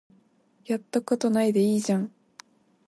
やったことないでいいじゃん